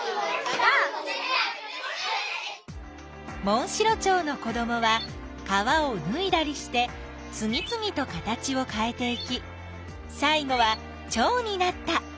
モンシロチョウの子どもはかわをぬいだりしてつぎつぎと形をかえていきさい後はチョウになった。